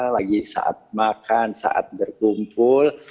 lagi saat makan saat berkumpul